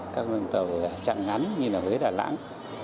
các con tàu chặng ngắn như là huế đà nẵng